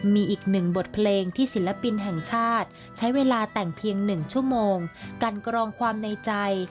มีอีกหนึ่งบทเพลงที่ศิลปินแห่งชาติใช้เวลาแต่งเพียง๑ชั่วโมงกันกรองความในใจ